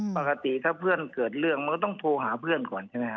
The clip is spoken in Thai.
ปกติถ้าเพื่อนเกิดเรื่องมันก็ต้องโทรหาเพื่อนก่อนใช่ไหมครับ